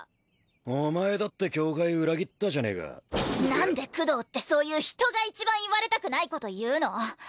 お前だって教会裏切ったじゃねえか何でクドーってそういう人が一番言われたくないこと言うの？